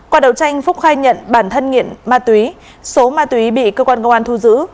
qua đầu tranh phúc khai nhận bản thân nghiện ma túy số ma túy bị cơ quan công an thu giữ